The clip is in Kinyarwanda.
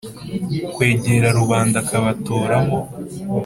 kwegera rubanda akabatoramo